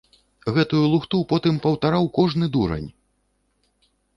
Гэтую лухту потым паўтараў кожны дурань!